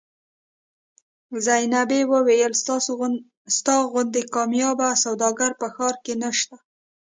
زینبې وویل ستا غوندې کاميابه سوداګر په ښار کې نشته.